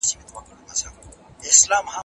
زه له پرون راهيسې کار کوم.